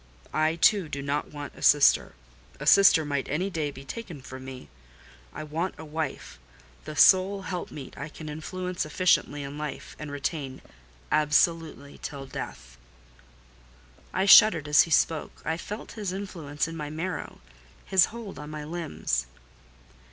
I, too, do not want a sister: a sister might any day be taken from me. I want a wife: the sole helpmeet I can influence efficiently in life, and retain absolutely till death." I shuddered as he spoke: I felt his influence in my marrow—his hold on my limbs.